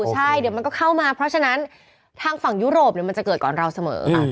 ใช่เดี๋ยวมันก็เข้ามาเพราะฉะนั้นทางฝั่งยุโรปมันจะเกิดก่อนเราเสมอ